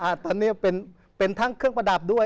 อันนี้เป็นทั้งเครื่องประดับด้วย